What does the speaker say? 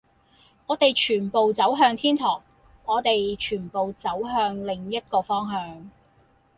我哋全部走向天堂，我哋全部走向另一個方向，